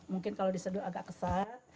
mungkin kalau diseduh agak kesal